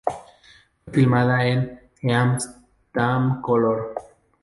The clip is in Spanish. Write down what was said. Fue filmada en Eastmancolor.